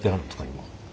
今。